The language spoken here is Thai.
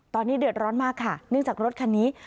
ตอนนี้เดือดร้อนมากค่ะเนื่องจากรถคันนี้